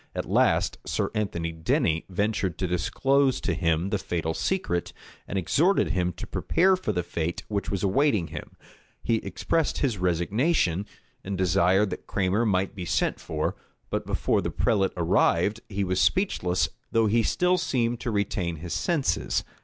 At last, Sir Anthony Denny ventured to disclose to him the fatal secret, and exhorted him to prepare for the fate which was awaiting him. He expressed his resignation, and desired that Cranmer might be sent for; but before the prelate arrived, he was speechless, though he still seemed to retain his senses.